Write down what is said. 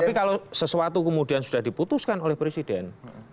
tapi kalau sesuatu kemudian sudah diputuskan oleh presiden